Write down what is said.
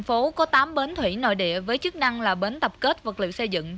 tp hcm có tám bến thủy nội địa với chức năng là bến tập kết vật liệu xây dựng